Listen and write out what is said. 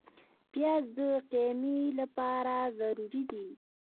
پیاز د قیمې لپاره ضروري دی